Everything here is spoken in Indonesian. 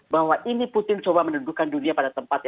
bahwa ini putin coba mendudukkan dunia pada tempat